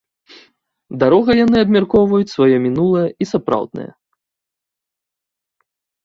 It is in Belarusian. Дарогай яны абмяркоўваюць сваё мінулае і сапраўднае.